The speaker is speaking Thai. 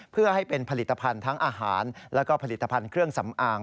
เพื่อให้เป็นผลิตภัณฑ์ทั้งอาหารแล้วก็ผลิตภัณฑ์เครื่องสำอาง